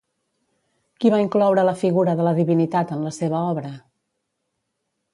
Qui va incloure la figura de la divinitat en la seva obra?